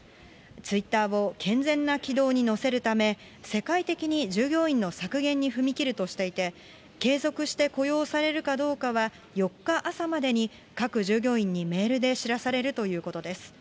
ツイッターを健全な軌道に乗せるため、世界的に従業員の削減に踏み切るとしていて、継続して雇用されるかどうかは４日朝までに各従業員にメールで知らされるということです。